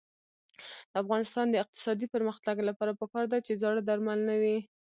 د افغانستان د اقتصادي پرمختګ لپاره پکار ده چې زاړه درمل نه وي.